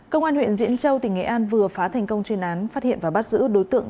công an huyện diễn châu tỉnh nghệ an vừa phá thành công chuyên án phát hiện và bắt giữ đối tượng